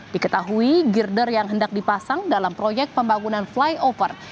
diketahui girder yang hendak dipasang dalam proyek pembangunan flyover